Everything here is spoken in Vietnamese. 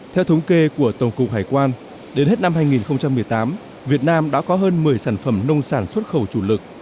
theo thống kê của tổng cục hải quan đến hết năm hai nghìn một mươi tám việt nam đã có hơn một mươi sản phẩm nông sản xuất khẩu chủ lực